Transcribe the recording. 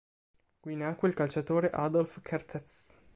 Qui nacque il calciatore Adolf Kertész.